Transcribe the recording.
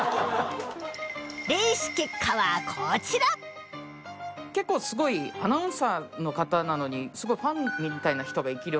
霊視結果はこちら結構すごいアナウンサーの方なのにすごいファンみたいな人が生き霊が結構ついてるんですよ。